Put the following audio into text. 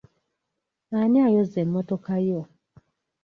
Ani ayoza emmotoka yo?